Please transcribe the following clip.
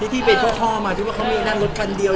ที่ที่เป็นเขาคอมาที่เขามีอีกหน้ารถกันเดียว